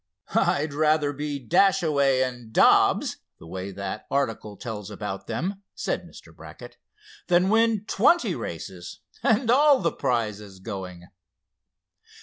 "I'd rather be Dashaway and Dobbs, the way that article tells about them," said Mr. Brackett, "than win twenty races, and all the prizes going."